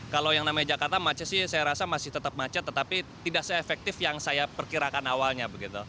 kalau yang namanya jakarta macet sih saya rasa masih tetap macet tetapi tidak se efektif yang saya perkirakan awalnya